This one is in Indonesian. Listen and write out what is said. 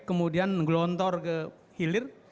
kemudian gelontor ke hilir